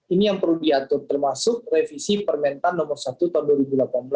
ini yang perlu diatur termasuk revisi permintaan i tahun dua ribu delapan belas